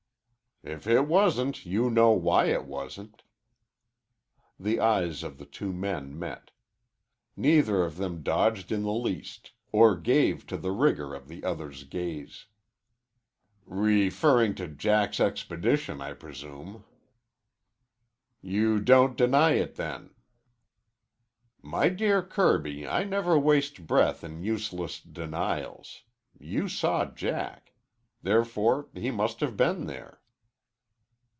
"If it wasn't, you know why it wasn't." The eyes of the two men met. Neither of them dodged in the least or gave to the rigor of the other's gaze. "Referring to Jack's expedition, I presume." "You don't deny it, then." "My dear Kirby, I never waste breath in useless denials. You saw Jack. Therefore he must have been there."